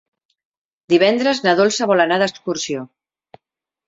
Divendres na Dolça vol anar d'excursió.